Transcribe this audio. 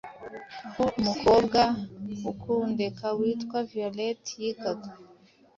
aho umukobwa wa Kokundeka witwa Violet yigaga,